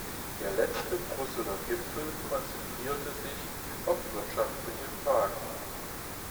Der letzte Brüsseler Gipfel konzentrierte sich auf wirtschaftliche Fragen.